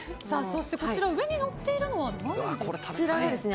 そして、こちら上にのっているのは何ですか？